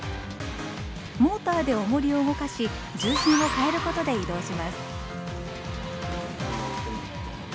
モーターでおもりを動かし重心を変えることで移動します。